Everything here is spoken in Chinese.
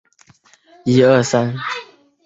第八层是电梯机房和水箱等用房。